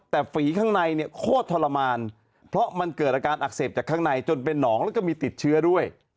แต่ฝีข้างในเนี่ยโคตรทรมานเพราะมันเกิดอาการอักเสบจากข้างในจนเป็นหนองแล้วก็มีติดเชื้อด้วย